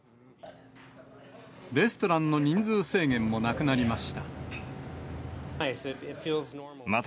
レストランの人数制限もなくなりました。